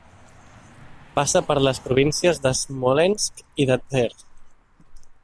Passa per les províncies de Smolensk i de Tver.